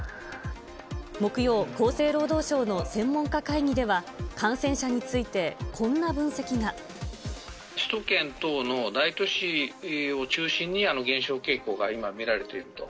木曜、厚生労働省の専門家会議では、感染者についてこんな分析が。首都圏等の大都市を中心に減少傾向が今、見られていると。